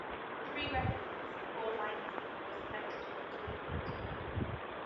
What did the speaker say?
Three referees and four linesmen were selected for the tournament.